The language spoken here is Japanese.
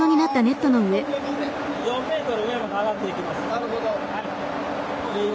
なるほど。